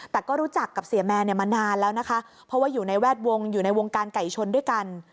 แต่ก็รู้จักกับเสียแมนมานานแล้วนะคะเพราะว่าอยู่ในแวดวงอยู่ในวงการไก่ชนด้วยกัน